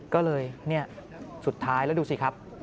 ก็เลยเนี่ยสุดท้ายแล้วดูสิครับ